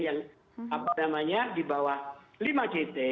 yang apa namanya di bawah lima jt